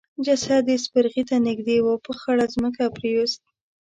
جسد يې سپرغي ته نږدې پر خړه ځمکه پريېست.